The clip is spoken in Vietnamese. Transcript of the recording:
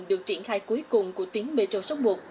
được triển khai cuối cùng của tuyến metro số một